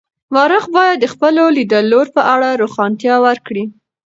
مورخ باید د خپلو لیدلورو په اړه روښانتیا ورکړي.